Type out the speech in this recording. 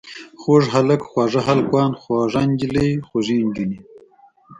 خوږ هلک، خواږه هلکان، خوږه نجلۍ، خوږې نجونې.